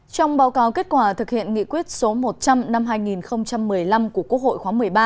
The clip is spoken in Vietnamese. trong báo cáo kết quả thực hiện nghị quyết số một trăm linh năm hai nghìn một mươi năm của quốc hội khóa một mươi ba